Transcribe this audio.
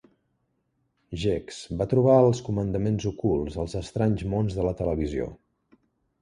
Gex va trobar els comandaments ocults als estranys mons de la televisió.